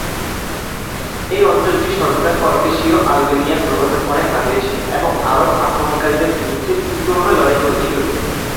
এই অঞ্চলটি সর্বদা ককেশীয় আলবেনিয়ার প্রভাবের অনেক বাইরে ছিল এবং আরব আক্রমণকারীদের বিরুদ্ধে তীব্রভাবে লড়াই করেছিল।